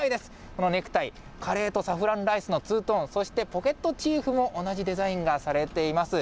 このネクタイ、カレーとサフランライスのツートーン、そしてポケットチーフも同じデザインがされています。